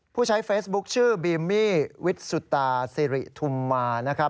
ผู้ใช้เฟซบุ๊คชื่อบีมมี่วิทย์สุตาซิริทุมมาร์